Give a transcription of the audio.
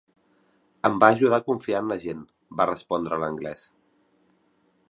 "Em va ajudar a confiar en la gent", va respondre l'anglès.